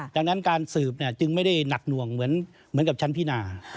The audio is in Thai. ดังนั้นการสืบจึงไม่ได้หนักหน่วงเหมือนกับชั้นพินา